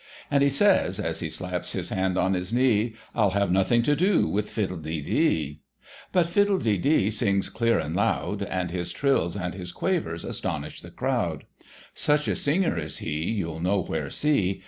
And he says, as he slaps his hand on his knee, * I'll have nothing to do with Fiddle de dee !*— But Fiddle de dee sings clear and loud, And his trills and his quavers astonish the crowd. Such a singer as he, You'll nowhere see.